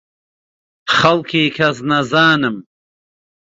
خەڵکی کەسنەزانم.